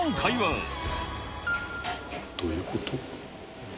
どういうこと？